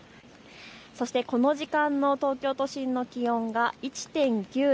そして、この時間の東京都心の気温が１．９度。